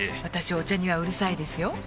私お茶にはうるさいですよ